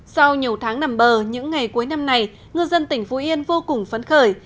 sau nhiều tháng nằm bờ những ngày cuối năm này ngư dân tỉnh phú yên vô cùng phấn khởi